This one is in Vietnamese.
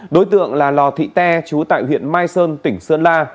đối tượng là lò thị tê chú tại huyện mai sơn tỉnh sơn la